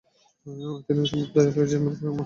তিনি খুব দয়ালু এবং এমজিআর প্রেমময় বন্ধু।